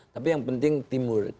tapi yang penting timur